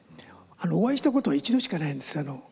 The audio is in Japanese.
お会いしたことは一度しかないんですよ。